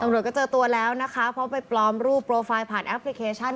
ตำรวจก็เจอตัวแล้วนะคะเพราะไปปลอมรูปโปรไฟล์ผ่านแอปพลิเคชัน